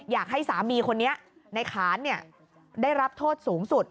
อยากให้สามีคนนี้ในขานได้รับโทษสูงสุด